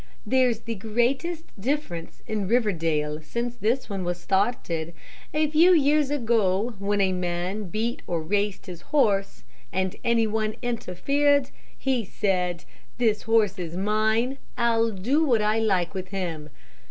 There's the greatest difference in Riverdale since this one was started. A few years ago, when a man beat or raced his horse, and any one interfered, he said: 'This horse is mine; I'll do what I like with him.'